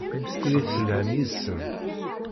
Ilit telham yid-sen.